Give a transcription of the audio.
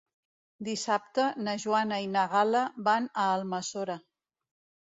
Dissabte na Joana i na Gal·la van a Almassora.